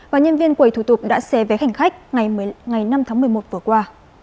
và nhân viên quầy thủ tục đã xe vé hành khách ngày năm tháng một mươi một vừa qua